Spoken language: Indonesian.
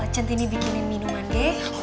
centini bikinin minuman deh